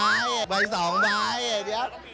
ใบ๒ใบอย่างนี้